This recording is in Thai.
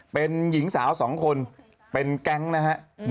เป็นหญิงสาว๒คนเป็นแก๊งนะฮะ